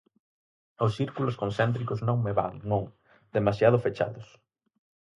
Os círculos concéntricos non me van, non: demasiado fechados.